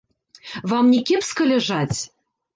Вам не кепска ляжаць?